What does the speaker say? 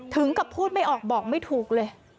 ถึงกับพูดไม่ออกบอกไม่ถูกเลย